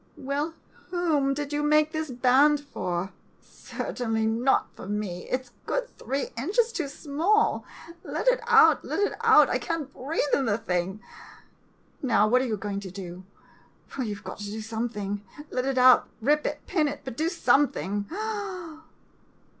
] Well, whom did you make this band for? Certainly not for me ! It 's good three inches too small. Let it out — let it out — I can't breathe in the thing ! Now, what are you going to do ? Well, you 've got to do something — let it out — rip it — pin it — but do something!